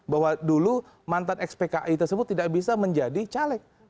bahwa dulu mantan expki tersebut tidak bisa menjadi caleg